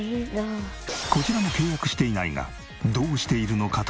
こちらも契約していないがどうしているのかというと。